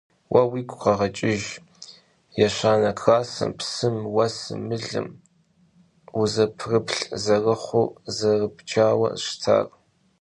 Vue vuigu kheğeç'ıjj yêşane klassım psım, vuesım, mılım vuzepxrıplh zerıxhur zerıbcaue şıtar.